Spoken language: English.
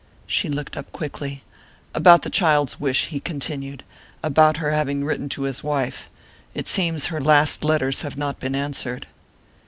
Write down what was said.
She looked up quickly. "About the child's wish," he continued. "About her having written to his wife. It seems her last letters have not been answered."